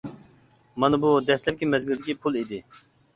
مانا بۇ دەسلەپكى مەزگىلدىكى پۇل ئىدى.